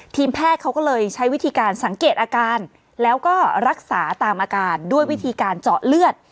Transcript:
แพทย์เขาก็เลยใช้วิธีการสังเกตอาการแล้วก็รักษาตามอาการด้วยวิธีการเจาะเลือด